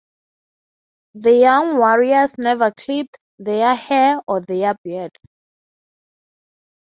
The young warriors never clipped their hair or their beard.